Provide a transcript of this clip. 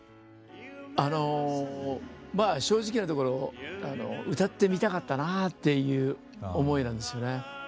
あのまあ正直なところ歌ってみたかったなあっていう思いなんですよね。